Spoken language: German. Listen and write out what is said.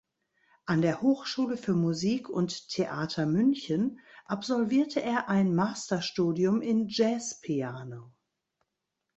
An der Hochschule für Musik und Theater München absolvierte er ein Masterstudium in Jazzpiano.